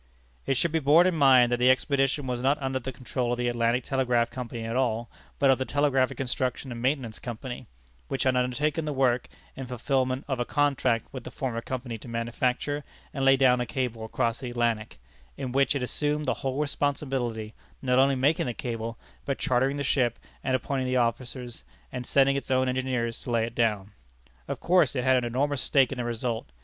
It should be borne in mind that the expedition was not under the control of the Atlantic Telegraph Company at all, but of the Telegraph Construction and Maintenance Company, which had undertaken the work in fulfilment of a contract with the former Company to manufacture and lay down a cable across the Atlantic, in which it assumed the whole responsibility, not only making the cable, but chartering the ship and appointing the officers, and sending its own engineers to lay it down. Of course it had an enormous stake in the result.